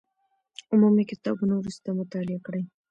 عمومي کتابونه وروسته مطالعه کړئ.